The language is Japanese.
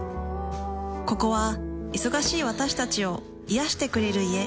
ここは忙しい私たちを癒してくれる家。